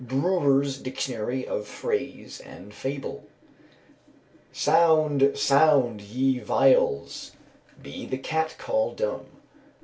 _" BREWER'S Dictionary of Phrase and Fable. "Sound, sound, ye viols; be the cat call dumb."